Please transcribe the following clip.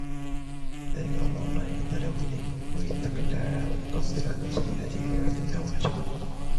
ذلك أمر الله أنزله إليكم ومن يتق الله يكفر عنه سيئاته ويعظم له أجرا